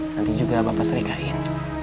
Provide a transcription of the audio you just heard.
nanti juga bapak serikain